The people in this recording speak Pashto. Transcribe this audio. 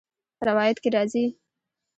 روايت کي راځي :